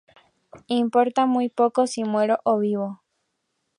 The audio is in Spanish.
Importa muy poco si muero o vivo.